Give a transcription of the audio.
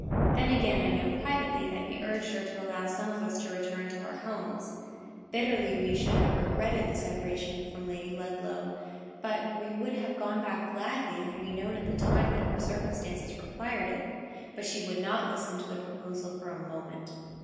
Then, again, I know privately that he urged her to allow some of us to return to our homes. Bitterly we should have regretted the separation from Lady Ludlow; but we would have gone back gladly, had we known at the time that her circumstances required it: but she would not listen to the proposal for a moment.